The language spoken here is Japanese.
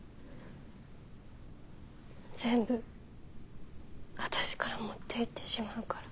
全部私から持って行ってしまうから。